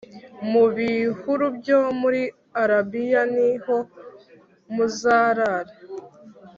mu bihuru byo muri Arabiya ni ho muzarara.